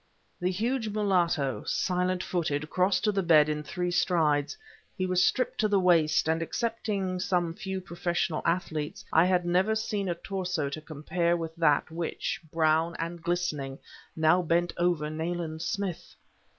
The huge mulatto, silent footed, crossed to the bed in three strides. He was stripped to the waist, and, excepting some few professional athletes, I had never seen a torso to compare with that which, brown and glistening, now bent over Nayland Smith.